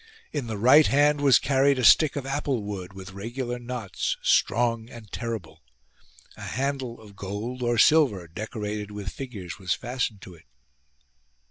In the right hand was carried a stick of apple wood, with regular knots, strong and terrible ; a handle of gold or silver decorated with figures was fastened to it.